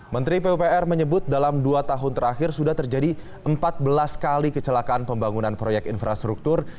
menteri pupr menyebut dalam dua tahun terakhir sudah terjadi empat belas kali kecelakaan pembangunan proyek infrastruktur